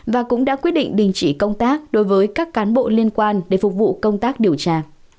và cũng đã quyết định đình chỉ công tác đối với các cán bộ liên quan để phục vụ công tác điều tra